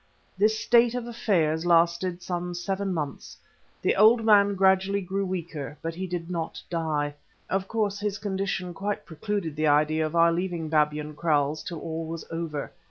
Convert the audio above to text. This state of affairs lasted for some seven months. The old man gradually grew weaker, but he did not die. Of course his condition quite precluded the idea of our leaving Babyan Kraals till all was over.